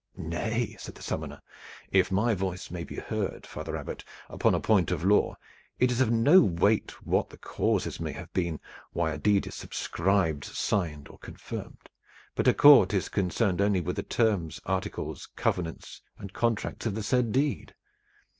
"Nay!" said the summoner. "If my voice may be heard, father Abbot, upon a point of the law, it is of no weight what the causes may have been why a deed is subscribed, signed or confirmed, but a court is concerned only with the terms, articles, covenants and contracts of the said deed."